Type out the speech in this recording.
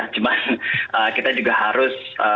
cuman kita juga harus